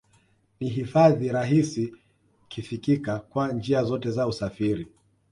Ni hifadhi rahisi kifikika kwa njia zote za usafiri